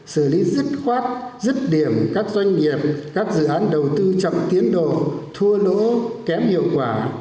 xử lý dứt khoát rứt điểm các doanh nghiệp các dự án đầu tư chậm tiến độ thua lỗ kém hiệu quả